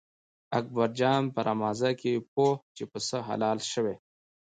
اکبر جان په رمازه کې پوهوه چې پسه حلال شوی.